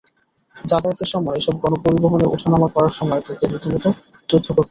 যাতায়াতের সময় এসব গণপরিবহনে ওঠা-নামা করার সময় তাঁদের রীতিমতো যুদ্ধ করতে হয়।